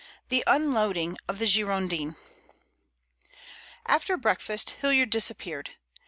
THE UNLOADING OF THE "GIRONDIN" After breakfast Hilliard disappeared.